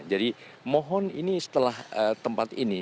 jadi mohon ini setelah tempat ini